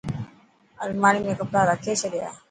الماڙي ۾ ڪپڙا رکي ڇڏيا.